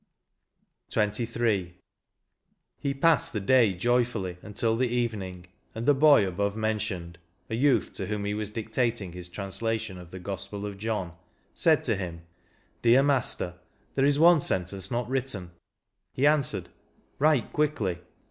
46 XXIII. ." he passed the day joyfully until the evening ; and the boy above mentioned (a youth to whom he was dictating his translation of the Gospel of John) "said to him, 'Dear master, there is one sentence not written/ He answered, ' Write quickly.'